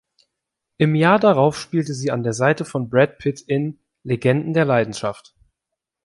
Im Jahr darauf spielte sie an der Seite von Brad Pitt in „Legenden der Leidenschaft“.